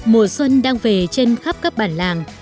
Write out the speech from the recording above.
mùa xuân đang về trên khắp các bản làng